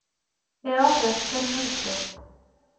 Iruḥ d asfel n udfel.